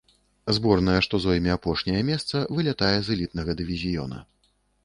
Зборная, што зойме апошняе месца, вылятае з элітнага дывізіёна.